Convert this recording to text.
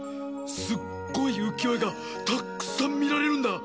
すっごいうきよえがたっくさんみられるんだ。